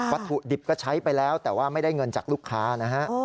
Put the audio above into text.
ถุดิบก็ใช้ไปแล้วแต่ว่าไม่ได้เงินจากลูกค้านะฮะ